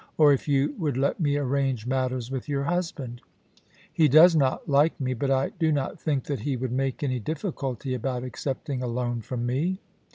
Or if you would let me arrange matters with your husband. ... He does not like me, but I do not think that he would make any difficulty about accepting a loan from me.'